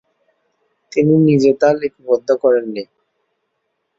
তিনি নিজে তা লিপিবদ্ধ করেন নি।